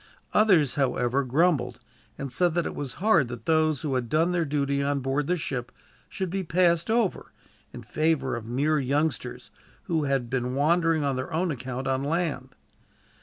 Others, however, grumbled, and said that it was hard that those who had done their duty on board the ship should be passed over, in favor of mere youngsters, who had been wandering on their own account on land.